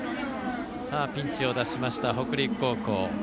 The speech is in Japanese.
ピンチを脱した北陸高校。